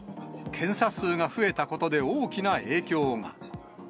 検査数が増えたことで大きな影響が。